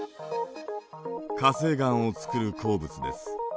火成岩をつくる鉱物です。